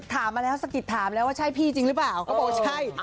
คือศักดิ์ถามแล้วว่าใช่พี่จริงหรือเปล่าก็บอกว่าใช่